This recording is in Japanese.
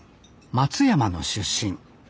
松山の出身。